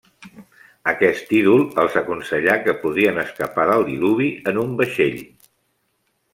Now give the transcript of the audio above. Aquest ídol els aconsellà que podrien escapar del diluvi en un vaixell.